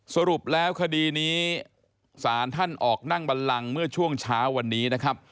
สรุปแล้วคดีนี้ศาลท่านออกนั่งบันลังเมื่อช่วงเช้าวันนี้นะครับ